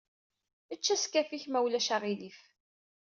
Ečč askaf-ik ma ulac aɣilif.